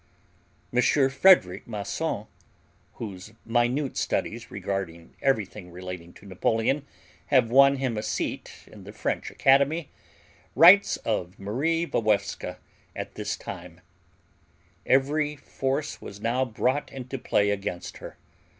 M. Frederic Masson, whose minute studies regarding everything relating to Napoleon have won him a seat in the French Academy, writes of Marie Walewska at this time: Every force was now brought into play against her.